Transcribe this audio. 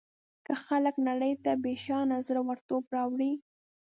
که خلک نړۍ ته بېشانه زړه ورتوب راوړي.